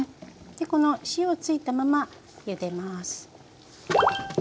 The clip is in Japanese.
この塩付いたままゆでます。